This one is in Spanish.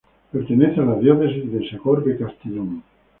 Pertenece a la Diócesis de Segorbe-Castellón.